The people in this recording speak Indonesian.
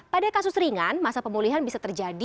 pada kasus ringan masa pemulihan bisa terjadi dua tiga minggu